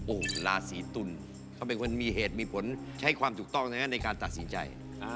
โอ้โหราศีตุลเขาเป็นคนมีเหตุมีผลใช้ความถูกต้องนะครับในการตัดสินใจ